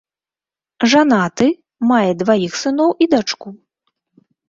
Жанаты, мае дваіх сыноў і дачку.